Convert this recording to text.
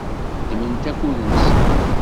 Ddment akud-nsent.